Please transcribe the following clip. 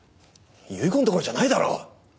遺言どころじゃないだろう！